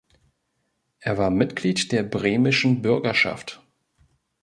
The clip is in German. Er war Mitglied der Bremischen Bürgerschaft.